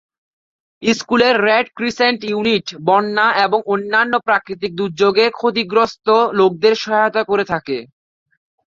স্কুলের red crescent unit বন্যা এবং অন্যান্য প্রাকৃতিক দুর্যোগে ক্ষতিগ্রস্ত লোকদের সহায়তা করে থাকে।